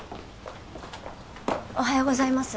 おはようございます